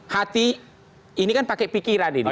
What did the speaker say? hati ini kan pakai pikiran ini